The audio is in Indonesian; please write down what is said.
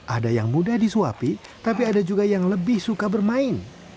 ada yang mudah disuapi tapi ada juga yang lebih suka bermain